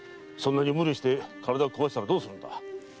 無理をして体をこわしたらどうするんだ。